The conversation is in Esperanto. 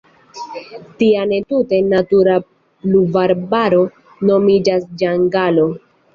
Tia ne tute natura pluvarbaro nomiĝas ĝangalo.